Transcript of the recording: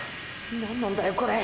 何なんだよこれ！！